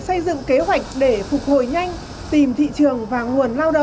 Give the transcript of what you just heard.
xây dựng kế hoạch để phục hồi nhanh